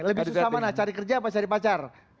lebih susah mana cari kerja apa cari pacar